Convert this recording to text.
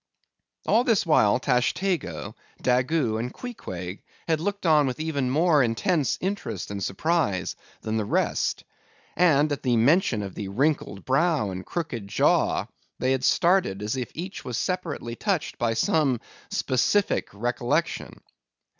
All this while Tashtego, Daggoo, and Queequeg had looked on with even more intense interest and surprise than the rest, and at the mention of the wrinkled brow and crooked jaw they had started as if each was separately touched by some specific recollection.